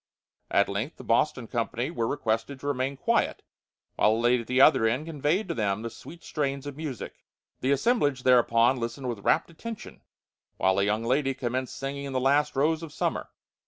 At length the Boston company were requested to remain quiet while a lady at the other end conveyed to them the sweet strains of music. The assemblage thereupon listened with rapt attention while a young lady commenced singing "The Last Rose of Summer."